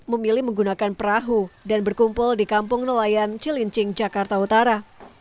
memilih menggunakan perahu dan berkumpul di kampung nelayan cilincing jakarta utara